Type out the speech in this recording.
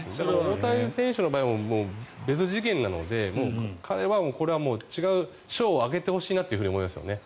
大谷選手の場合は別次元なので彼はこれは違う賞をあげてほしいなと思いますね。